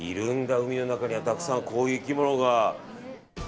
海の中にはたくさんこういう生き物が。